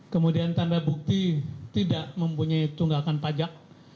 kemudian tanda bukti tidak mempunyai tunggakan pajak